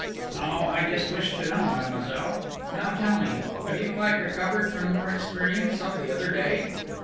"Oh, I just wished to know, mademoiselle.... Now, tell me, have you quite recovered from ... your experience of the other day?"